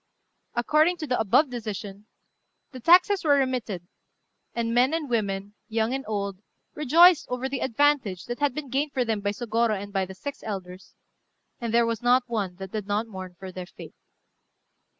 ] According to the above decision, the taxes were remitted; and men and women, young and old, rejoiced over the advantage that had been gained for them by Sôgorô and by the six elders, and there was not one that did not mourn for their fate.